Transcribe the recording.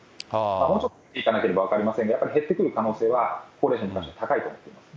もうちょっと見ていかなければ分かりませんが、やっぱり減ってくる可能性は高齢者に対して高いと思います。